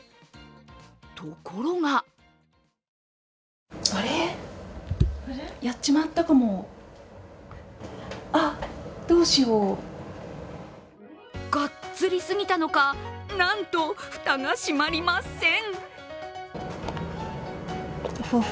ところががっつりすぎたのか、なんと、蓋が閉まりません。